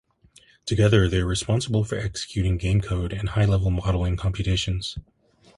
Together, they are responsible for executing game code and high-level modeling computations.